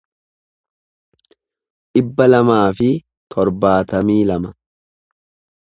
dhibba lamaa fi torbaatamii lama